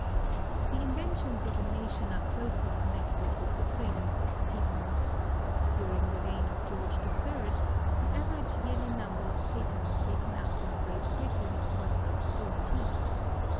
The inventions of a nation are closely connected with the freedom of its people. During the reign of George III. the average yearly number of patents taken out in Great Britain was hut fourteen.